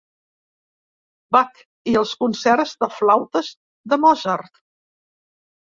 Bach i els concerts de flautes de Mozart.